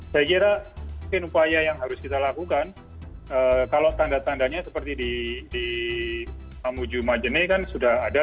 saya kira mungkin upaya yang harus kita lakukan kalau tanda tandanya seperti di mamuju majene kan sudah ada